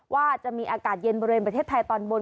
ว่าจะมีอากาศเย็นบริเวณประเทศไทยตอนบน